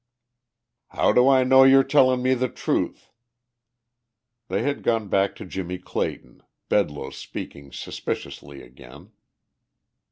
"How do I know you're tellin' me the truth?" They had gone back to Jimmie Clayton, Bedloe speaking suspiciously again.